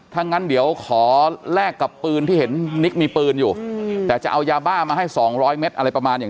ถ้างั้นเดี๋ยวขอแลกกับปืนที่เห็นนิกมีปืนอยู่แต่จะเอายาบ้ามาให้๒๐๐เม็ดอะไรประมาณอย่าง